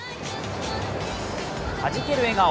はじける笑顔。